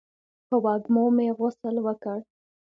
په وږمو مې غسل وکړ